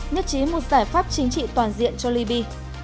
nhất chí một giải pháp chính trị toàn diện cho liby